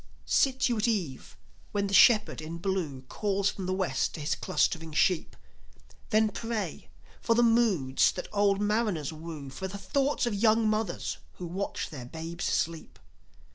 Sit you at eve when the Shepherd in Blue Calls from the West to his clustering sheep. Then pray for the moods that old mariners woo, For the thoughts of young mothers who watch their babes sleep.